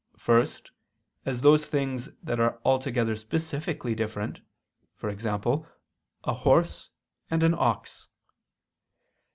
First, as those things that are altogether specifically different, e.g. a horse and an ox.